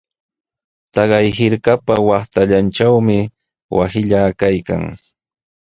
Taqay hirkapa waqtallantrawmi wasillaa kaykan.